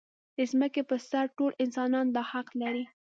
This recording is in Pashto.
د ځمکې پر سر ټول انسانان دا حق لري.